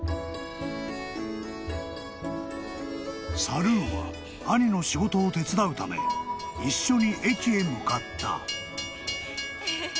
［サルーは兄の仕事を手伝うため一緒に駅へ向かった］